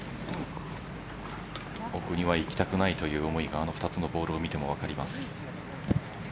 奥には行きたくないという思いがあの２つのボールを見ても分かります。